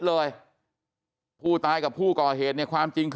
เลยผู้ตายกับผู้ก่อเหตุเนี่ยความจริงคือ